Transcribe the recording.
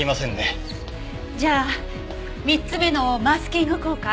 じゃあ３つ目のマスキング効果。